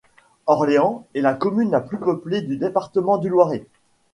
Orléans est la commune la plus peuplée du département du Loiret.